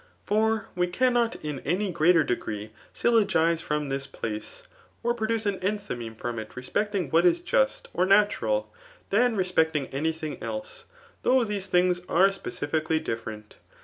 For we cannot in any greater degree syllogize from this place, or produce an tnthymcme from it respecting what is just or natural, than respecting any thing else ; though these things are Specifically different.